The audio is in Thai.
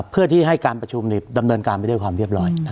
เพื่อที่ให้การประชุมดำเนินการไปด้วยความเรียบร้อย